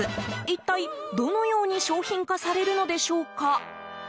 一体、どのように商品化されるのでしょうか？